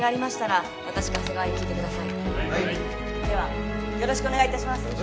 ではよろしくお願いいたします。